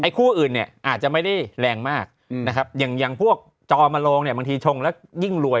คู่อื่นเนี่ยอาจจะไม่ได้แรงมากนะครับอย่างพวกจอมโรงเนี่ยบางทีชงแล้วยิ่งรวย